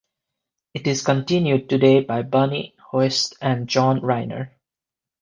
It is continued today by Bunny Hoest and John Reiner.